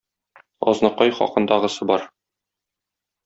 Азнакай хакындагысы бар.